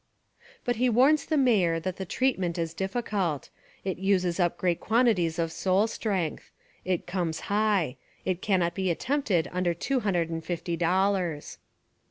But he warns the Mayor that the treat ment is difficult. It uses up great quantities of soul strength. It comes high. It cannot be attempted under two hundred and fifty dollars.